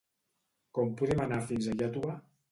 Com podem anar fins a Iàtova?